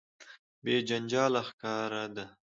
بې جنجاله ښکاره ده.